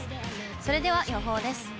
それでは予報です。